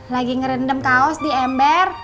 lagi ngerendam kaos di ember